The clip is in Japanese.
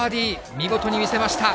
見事に見せました。